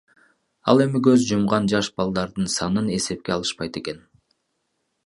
Ал эми көз жумган жаш балдардын санын эсепке алышпайт экен.